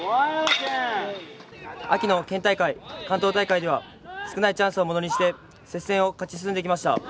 秋の県大会、関東大会では少ないチャンスをものにして接戦を勝ち進んできました。